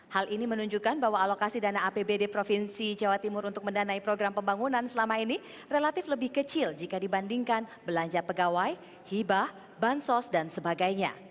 hal ini menunjukkan bahwa alokasi dana apbd provinsi jawa timur untuk mendanai program pembangunan selama ini relatif lebih kecil jika dibandingkan belanja pegawai hibah bansos dan sebagainya